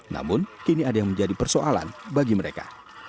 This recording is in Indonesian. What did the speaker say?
namun kini ada yang menjadi persoalan bagi mereka